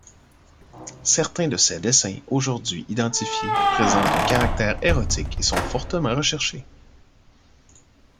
Certains de ses dessins, aujourd'hui identifiés, présentent un caractère érotique et sont fortement recherchés.